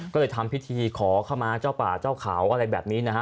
ก็เลยทำพิธีขอเข้ามาเจ้าป่าเจ้าเขาอะไรแบบนี้นะฮะ